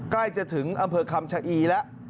ใกล้จะถึงอำเภอคำชะอีแล้ว